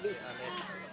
tidak dapat menerima bisu